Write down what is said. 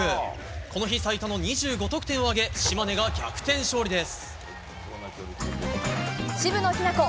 この日最多の２５得点を挙げ島根が逆転勝利です。